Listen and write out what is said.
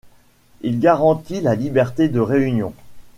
Il garantit la liberté de réunion.